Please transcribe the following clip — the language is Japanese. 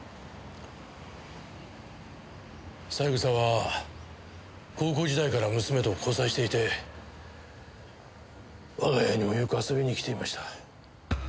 三枝は高校時代から娘と交際していて我が家にもよく遊びに来ていました。